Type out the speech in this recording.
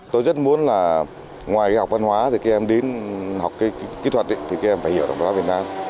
tôi rất muốn là ngoài học văn hóa thì các em đến học cái kỹ thuật thì các em phải hiểu được văn hóa việt nam